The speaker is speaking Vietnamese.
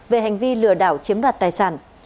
về hành vi lừa đảo chiếm đoạt tài sản